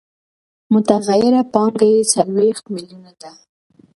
متغیره پانګه یې څلوېښت میلیونه ده